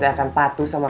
simpen aja dulu ah